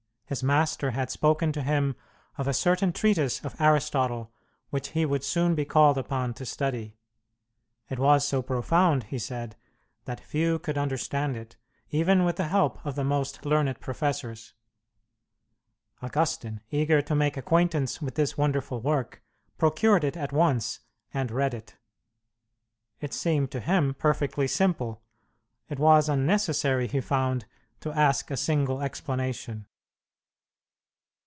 His master had spoken to him of a certain treatise of Aristotle which he would soon be called upon to study. It was so profound, he said, that few could understand it, even with the help of the most learned professors. Augustine, eager to make acquaintance with this wonderful work, procured it at once and read it. It seemed to him perfectly simple; it was unnecessary, he found, to ask a single explanation.